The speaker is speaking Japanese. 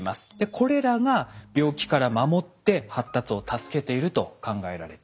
これらが病気から守って発達を助けていると考えられています。